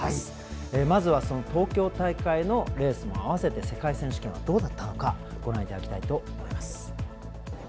まずは東京大会のレースも併せて世界選手権はどうだったのかご覧ください。